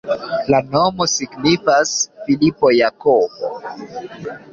La nomo signifas Filipo-Jakobo.